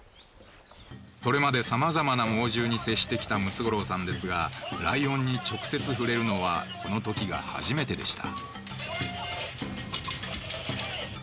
それまで様々な猛獣に接してきたムツゴロウさんですがライオンに直接触れるのはこのときが初めてでした。